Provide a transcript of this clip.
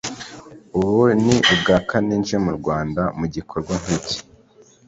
ubu ni ubwa kane nje mu Rwanda mu gikorwa nk’iki